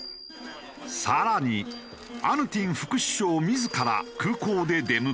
更にアヌティン副首相自ら空港で出迎え。